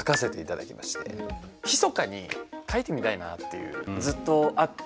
ひそかに描いてみたいなっていうずっとあって。